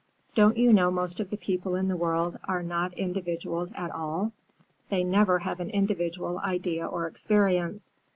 "Don't you know most of the people in the world are not individuals at all? They never have an individual idea or experience.